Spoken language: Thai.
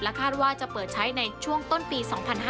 คาดว่าจะเปิดใช้ในช่วงต้นปี๒๕๕๙